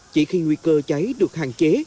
chỉ khi nguy cơ cháy được hạn chế